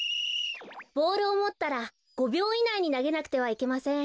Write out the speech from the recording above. ボールをもったら５びょういないになげなくてはいけません。